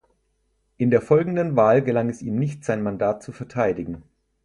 In der folgenden Wahl gelang es ihm nicht sein Mandat zu verteidigen.